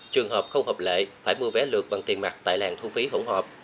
trường hợp không hợp lệ phải mua vé lượt bằng tiền mặt tại làn thu phí hỗn hợp